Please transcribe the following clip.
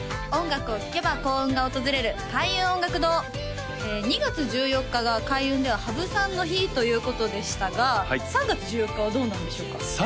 音楽を聴けば幸運が訪れる開運音楽堂２月１４日が開運では「羽生さんの日」ということでしたが３月１４日はどうなんでしょうか？